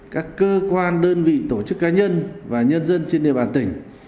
các cơ quan đơn vị tổ chức cá nhân và nhân dân trên địa bàn tỉnh